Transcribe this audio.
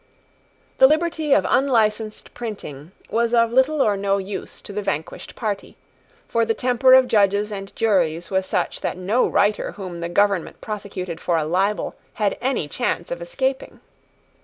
The liberty of unlicensed printing was of little or no use to the vanquished party; for the temper of judges and juries was such that no writer whom the government prosecuted for a libel had any chance of escaping.